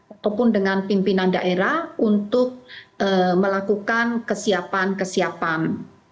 ataupun dengan pimpinan daerah untuk melakukan kesiapan kesiapan